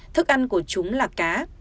thức ăn của chúng là cá